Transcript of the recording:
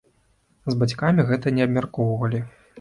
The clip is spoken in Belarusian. З бацькамі гэта не абмяркоўвалі.